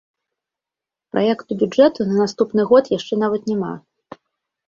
Праекту бюджэту на наступны год яшчэ нават няма.